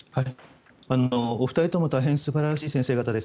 お二人とも大変素晴らしい先生方です。